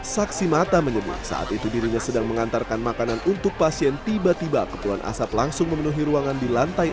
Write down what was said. saksi mata menyebut saat itu dirinya sedang mengantarkan makanan untuk pasien tiba tiba kepulan asap langsung memenuhi ruangan di lantai empat